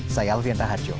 saya alvian rahatjo